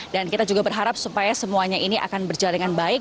kita juga berharap supaya semuanya ini akan berjalan dengan baik